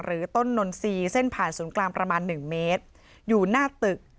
ต้นนนทรีย์เส้นผ่านศูนย์กลางประมาณหนึ่งเมตรอยู่หน้าตึก